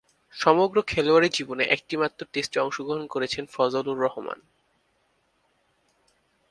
সমগ্র খেলোয়াড়ী জীবনে একটিমাত্র টেস্টে অংশগ্রহণ করেছেন ফজল-উর-রেহমান।